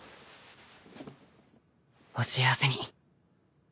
お幸せに。